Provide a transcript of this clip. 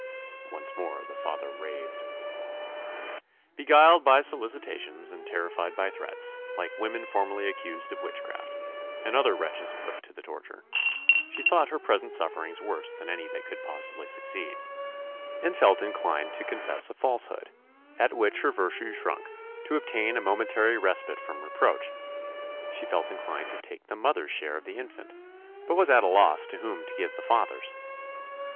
Once more the father raved. Beguiled by solicitations, and terrified by threats, like women formerly accused of witchcraft, and other wretches put to the torture, she thought her present sufferings worse than any that could possibly succeed; and felt inclined to confess a falsehood, at which her virtue shrunk, to obtain a momentary respite from reproach; she felt inclined to take the mother's share of the infant, but was at a loss to whom to give the father's.